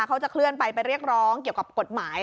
เขาจะเคลื่อนไปไปเรียกร้องเกี่ยวกับกฎหมาย